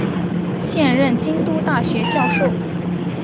现任京都大学教授。